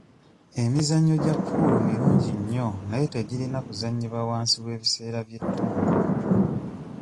Emizannyo gya puulu mirungi nnyo naye tegirina kuzannyibwa wansi w'ebiseera by'ettuntu.